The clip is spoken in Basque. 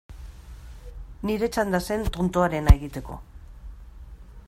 Nire txanda zen tontoarena egiteko.